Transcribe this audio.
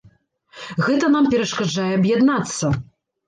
Гэта нам перашкаджае аб'яднацца.